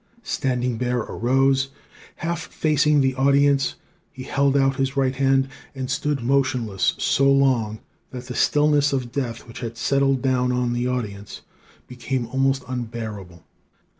"Standing Bear arose. Half facing the audience, he held out his right hand, and stood motionless so long that the stillness of death which had settled down on the audience, became almost unbearable.